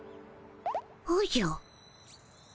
おじゃ？